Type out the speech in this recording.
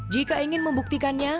jika ingin membuktikannya